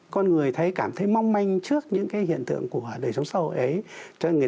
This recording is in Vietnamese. con người thấy cảm thấy mong manh trước những cái hiện tượng của đời sống sâu ấy